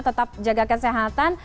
tetap jaga kesehatan